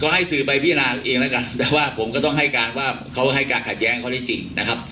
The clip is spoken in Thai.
ให้สื่อไปพิจารณาเองแล้วกันแต่ว่าผมก็ต้องให้การว่าเขาให้การขัดแย้งเขาได้จริงนะครับ